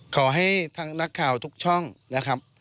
ขอให้ทางนักข่าวทุกช่องนะครับ